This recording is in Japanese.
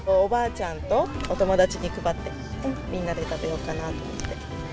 ちゃんとお友達に配って、みんなで食べようかなと思って。